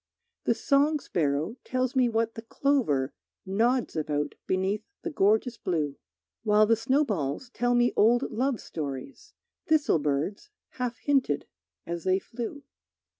The song sparrow tells me what the clover Nods about beneath the gorgeous blue; While the snowballs tell me old love stories Thistle birds half hinted as they flew.